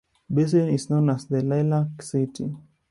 Basin is known as The Lilac City.